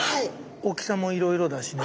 大きさもいろいろだしね。